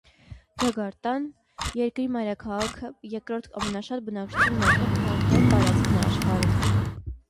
Ջակարտան՝ երկրի մայրաքաղաքը, երկրորդ ամենաշատ բնակչություն ունեցող քաղաքային տարածքն է աշխարհում։